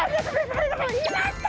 いました！